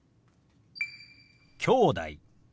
「きょうだい」。